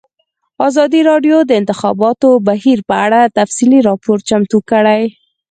ازادي راډیو د د انتخاباتو بهیر په اړه تفصیلي راپور چمتو کړی.